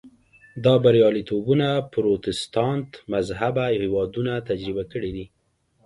دا بریالیتوبونه پروتستانت مذهبه هېوادونو تجربه کړي دي.